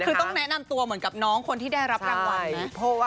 คือต้องแนะนำตัวเหมือนกับน้องคนที่ได้รับรางวัลนะ